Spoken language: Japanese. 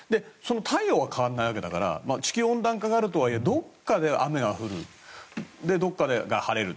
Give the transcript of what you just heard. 太陽は変わらないわけだから地球温暖化があるとはいえどこかで雨は降るで、どこかで晴れる。